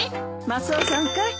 マスオさんかい？